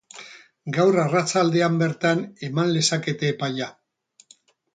Gaur arratsaldean bertan eman lezakete epaia.